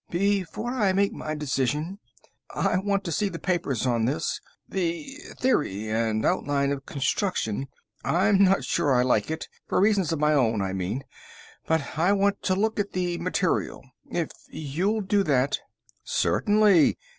"Before I make my decision I want to see the papers on this, the theory and outline of construction. I'm not sure I like it. For reasons of my own, I mean. But I want to look at the material. If you'll do that " "Certainly."